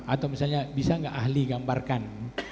atau misalnya bisa nggak ahli gambarkan